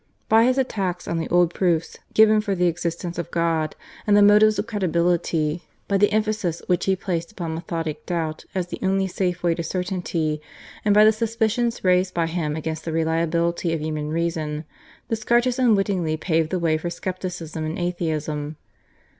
By his attacks on the old proofs given for the existence of God and the motives of credibility, by the emphasis which he placed upon methodic doubt as the only safe way to certainty, and by the suspicions raised by him against the reliability of human reason, Descartes unwittingly paved the way for scepticism and atheism.